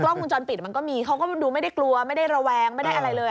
กล้องวงจรปิดมันก็มีเขาก็ดูไม่ได้กลัวไม่ได้ระวัง